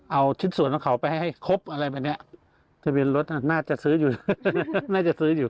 เอาชิ้นส่วนของเขาไปให้ครบอะไรแบบเนี้ยทะเบียนรถน่าจะซื้ออยู่น่าจะซื้ออยู่